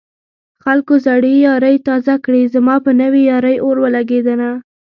خلکو زړې يارۍ تازه کړې زما په نوې يارۍ اور ولګېدنه